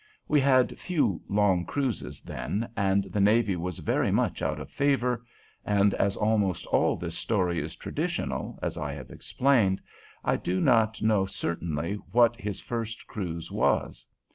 We had few long cruises then, and the navy was very much out of favor; and as almost all of this story is traditional, as I have explained, I do not know certainly what his first cruise was.